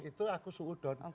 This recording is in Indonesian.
itu aku suhudon